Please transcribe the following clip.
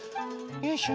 よいしょ。